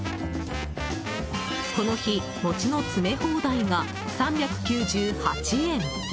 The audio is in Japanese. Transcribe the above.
この日、餅の詰め放題が３９８円。